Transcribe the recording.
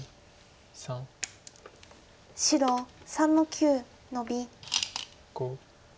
白３の九ノビ。